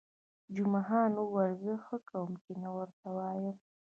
جمعه خان وویل: زه ښه کوم، چې نه ورته وایم.